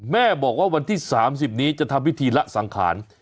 แม่บอกว่าวันที่๓๐นี้จะทำพิธีละสังขาร